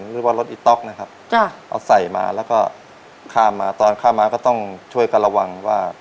หรือว่ารถอีต๊อกนะครับเอาใส่มาแล้วก็ข้ามมาตอนข้ามมาก็ต้องช่วยกันระวังว่า